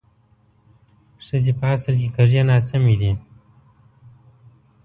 ښځې په اصل کې کږې ناسمې دي